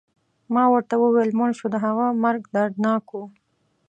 ما ورته وویل: مړ شو، د هغه مرګ دردناک و.